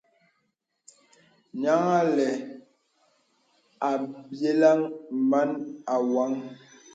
Nyaŋ a lɛ̂ àbyə̀laŋ màn wən.